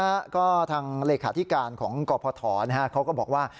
แล้วก็ทางเลขาธิการของกพทนะฮะเขาก็บอกว่า